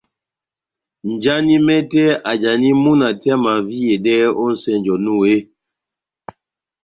Njani mɛtɛ ajani múna tɛ́h amaviyedɛ ó nʼsɛnjɛ onu eeeh ?